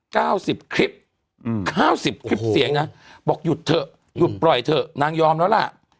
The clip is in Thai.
เก้าสิบคลิปอืมห้าสิบคลิปเสียงนะบอกหยุดเถอะหยุดปล่อยเถอะนางยอมแล้วล่ะ